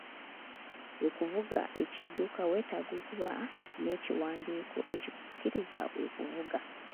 Okuvuga ekidduka, weetaaga okuba n'ekiwandiiko ekikukkiriza okuvuga.